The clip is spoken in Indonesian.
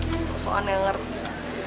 susah susah aneh ngerti